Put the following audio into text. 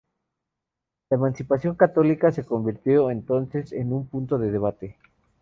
La Emancipación católica se convirtió entonces en un punto de debate.